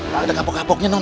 nggak ada kapok kapoknya nom